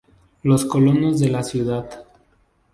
Los Colonos de la ciudad.